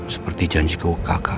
seperti janji gua kakak